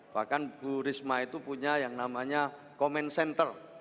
bahkan bu risma itu punya yang namanya comment center